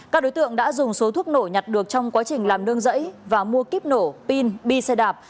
các đối tượng đã dùng số thuốc nổ nhặt được trong quá trình làm nương rẫy và mua kíp nổ pin bi xe đạp